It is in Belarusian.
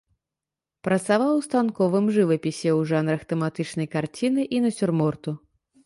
Працаваў у станковым жывапісе ў жанрах тэматычнай карціны і нацюрморту.